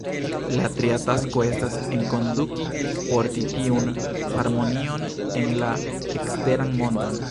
La tria tasko estas enkonduki, porti tiun harmonion en la eksteran mondon.